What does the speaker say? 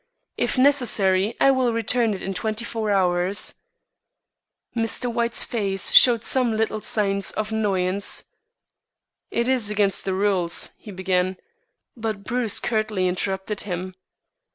"If necessary, I will return it in twenty four hours." Mr. White's face showed some little sign of annoyance. "It is against the rules," he began; but Bruce curtly interrupted him.